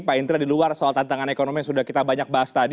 pak indra di luar soal tantangan ekonomi yang sudah kita banyak bahas tadi